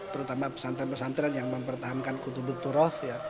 terutama pesantren pesantren yang mempertahankan kutubu turoth